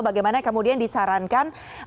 bagaimana kemudian disarankan